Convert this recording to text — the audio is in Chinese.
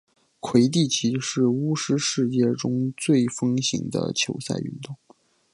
魁地奇是巫师世界中最风行的球赛运动。